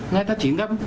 người ta chỉ ngâm